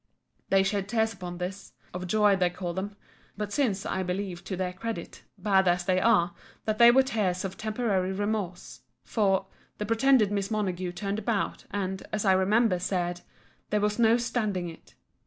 They shed tears upon this—of joy they called them:—But since, I believe, to their credit, bad as they are, that they were tears of temporary remorse; for, the pretended Miss Montague turned about, and, as I remember, said, There was no standing it.